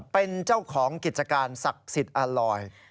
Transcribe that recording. เป็นเจ้าของกิจการศักดิ์สิทธิ์อลอย